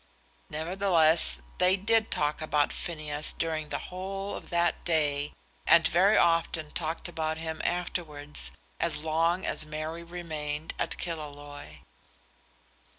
Nevertheless, they did talk about Phineas during the whole of that day, and very often talked about him afterwards, as long as Mary remained at Killaloe.